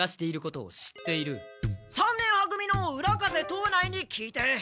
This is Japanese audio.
三年は組の浦風藤内に聞いて。